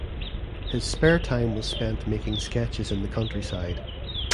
His spare time was spent making sketches in the countryside.